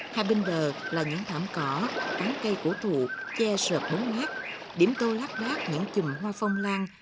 hai bên đờ là những thảm cỏ bắn cây cổ thụ che sợp bóng mát điểm tô lát đát những chùm hoa phong lan